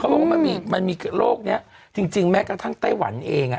บอกว่ามันมีโรคนี้จริงแม้กระทั่งไต้หวันเองอ่ะ